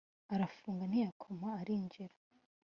arafunga ntiyakoma arinjira